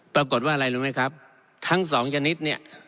ปรากฏว่าอะไรรู้ไหมครับทั้งสองชนิดเนี่ย